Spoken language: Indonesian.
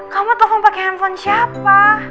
kamu tolong pakai handphone siapa